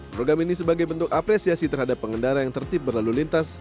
program ini sebagai bentuk apresiasi terhadap pengendara yang tertib berlalu lintas